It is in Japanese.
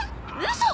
嘘！？